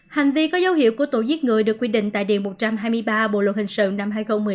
hành vi có dấu hiệu của tội giết người được quy định tại điều một trăm hai mươi ba bộ luật hình sự năm hai nghìn một mươi năm